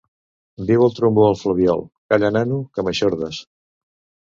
Diu el trombó al flabiol: Calla nano, que m'eixordes!